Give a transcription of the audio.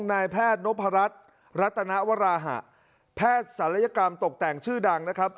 นายแพทย์นพรัชรัตนวราหะแพทย์ศัลยกรรมตกแต่งชื่อดังนะครับ